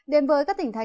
đến với các tỉnh thái